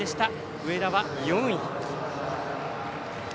上田は４位。